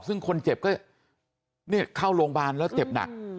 ซึ่งคนเจ็บก็เข้าโรงพยาบาลแล้วเจ็บหนัก